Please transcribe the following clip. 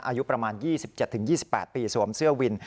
อายุประมาณ๒๗๒๘ปีสวมเสื้อวิน